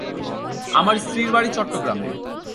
আমার স্ত্রীর বাড়ি চট্টগ্রামে।